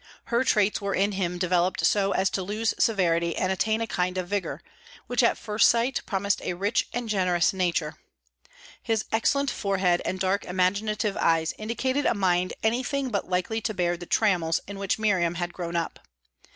Her traits were in him developed so as to lose severity and attain a kind of vigour, which at first sight promised a rich and generous nature; his excellent forehead and dark imaginative eyes indicated a mind anything but likely to bear the trammels in which Miriam had grown up.